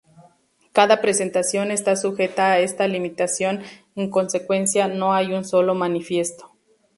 Cada presentación está sujeta a esta limitación, en consecuencia, no hay un solo manifiesto.